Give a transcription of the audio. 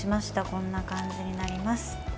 こんな感じになります。